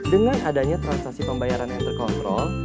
dengan adanya transaksi pembayaran yang terkontrol